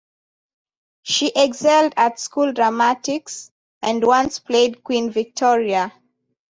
She excelled at school dramatics, and once played Queen Victoria.